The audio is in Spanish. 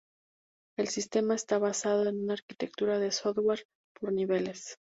El sistema está basado en una arquitectura de software por niveles.